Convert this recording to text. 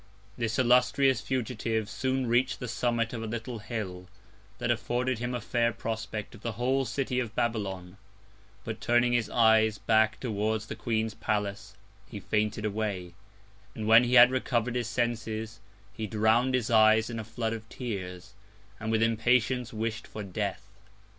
This illustrious Fugitive soon reach'd the Summit of a little Hill, that afforded him a fair Prospect of the whole City of Babylon: But turning his Eyes back towards the Queen's Palace, he fainted away; and when he had recover'd his Senses, he drown'd his Eyes in a Flood of Tears, and with Impatience wish'd for Death.